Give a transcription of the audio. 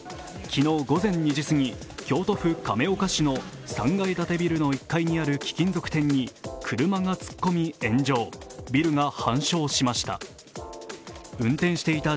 昨日午前２時すぎ京都府亀岡市の３階建てビルの１階にある貴金属店に車が突っ込み、炎上、ビルが半焼しました。